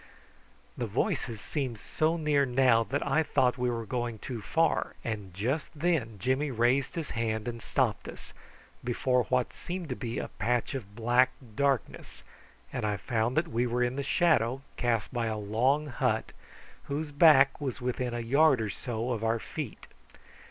The voices seemed so near now that I thought we were going too far, and just then Jimmy raised his hand and stopped us, before what seemed to be a patch of black darkness, and I found that we were in the shadow cast by a long hut, whose back was within a yard or so of our feet.